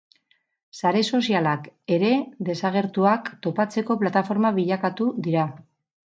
Sare sozialak ere desagertuak topatzeko plataforma bilakatu dira.